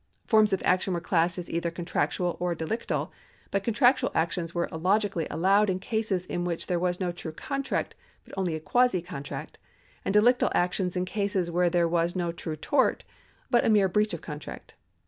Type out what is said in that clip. Forms of action were classed as either contractual or delictal, but contractual actions were illogically allowed in cases in which there was no true contract, but only a quasi contract ; and delictal actions in cases in which there was no true tort, but a mere breach of contract.